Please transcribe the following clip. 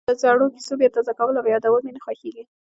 خو د زړو کېسو بیا تازه کول او یادول مې نه خوښېږي.